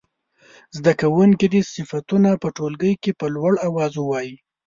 زده کوونکي دې صفتونه په ټولګي کې په لوړ اواز ووايي.